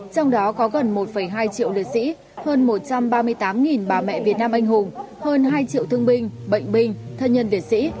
trong đó có gần một hai triệu liệt sĩ hơn một trăm ba mươi tám bà mẹ việt nam anh hùng hơn hai triệu thương binh bệnh binh thân nhân liệt sĩ